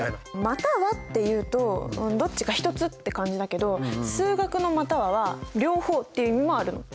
「または」っていうとどっちか一つって感じだけど数学の「または」は両方っていう意味もあるの。